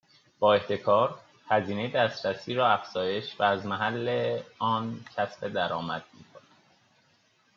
با احتکار، هزینه دسترسی را افزایش و از محل آن کسب درآمد میکند